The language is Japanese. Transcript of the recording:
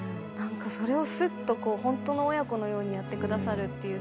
それを、すっと本当の親子のようにやってくださるって。